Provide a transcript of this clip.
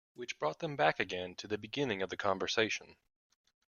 Which brought them back again to the beginning of the conversation.